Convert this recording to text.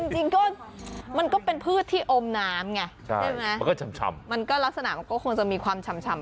จริงก็มันก็เป็นพืชที่อมน้ำใช่มั้ยมันลักษณะก็คงจะมีความชำ